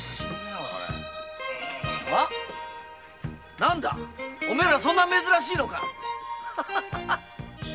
何だお前らそんなに珍しいのか？